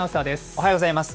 おはようございます。